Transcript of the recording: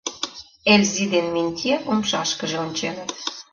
— Эльзи ден Минтье умшашкыже онченыт.